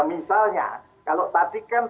misalnya kalau tadi kan